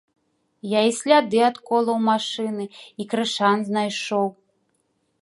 Я і сляды ад колаў машыны, і крышан знайшоў!